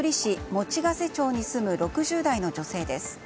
用瀬町に住む６０代の女性です。